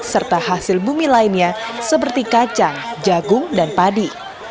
serta hasil bumi lainnya seperti kacang jagung dan padi